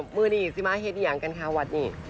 มือดีซิม่าเฮดอย่างกันค่ะวันนี้